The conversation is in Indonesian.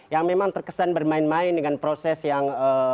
yang memang terkesan bermain main dengan proses yang